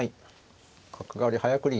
角換わり早繰り